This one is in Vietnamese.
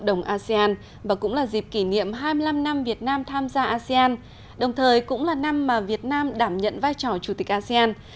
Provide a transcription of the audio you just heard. đồng thời cũng là năm mà việt nam tham gia asean đồng thời cũng là năm mà việt nam tham gia asean